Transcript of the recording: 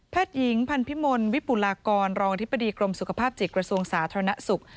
หญิงพันธิมลวิปุลากรรองอธิบดีกรมสุขภาพจิตกระทรวงสาธารณสุข